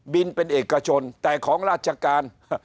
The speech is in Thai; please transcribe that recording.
เป็นเอกชนแต่ของราชการ